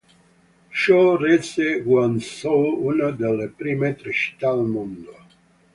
Ciò rese Guangzhou una delle prime tre città al mondo.